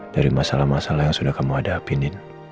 dari masalah masalah yang sudah kamu hadapin